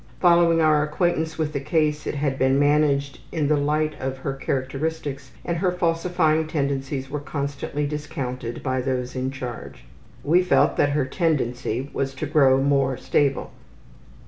Following our acquaintance with the case it had been managed in the light of her characteristics, and her falsifying tendencies were constantly discounted by those in charge. We felt that her tendency was to grow more stable.